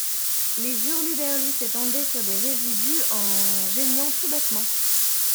Les hurluberlues s'étendaient sur des résidus en geignant tout bêtement.